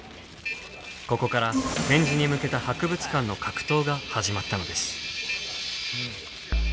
ここから展示に向けた博物館の格闘が始まったのです。